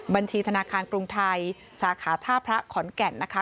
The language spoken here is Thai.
บัญชีธนาคารกรุงไทยสาขาท่าพระขอนแก่นนะคะ